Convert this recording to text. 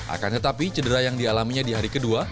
akan tetapi cedera yang dialaminya di hari kedua